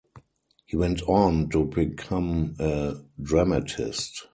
He went on to become a dramatist.